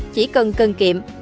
chỉ cần cần kiệm